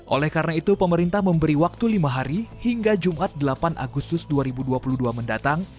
oleh karena itu pemerintah memberi waktu lima hari hingga jumat delapan agustus dua ribu dua puluh dua mendatang